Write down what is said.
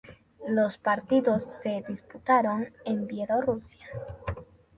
Los partidos se disputaron en Bielorrusia.